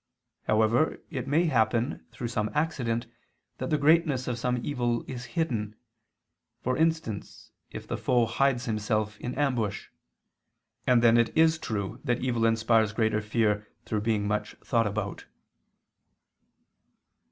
However, it may happen through some accident that the greatness of some evil is hidden; for instance if the foe hides himself in ambush: and then it is true that evil inspires greater fear through being much thought about.